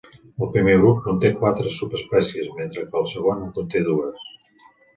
El primer grup conté quatre subespècies, mentre que el segon en conté dues.